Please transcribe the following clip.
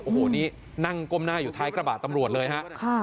โอ้โหนี่นั่งก้มหน้าอยู่ท้ายกระบะตำรวจเลยฮะ